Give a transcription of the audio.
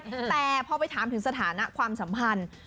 แต่พอไปถามถึงสถานะความสัมพันธ์